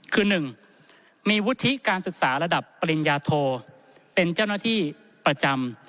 คือ๑มีวุฒิการศึกษาระดับปริญญาโทเป็นเจ้าหน้าที่ประจำ